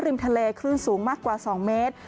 ริมทะเลคลื่นสูงมากกว่า๒เมตร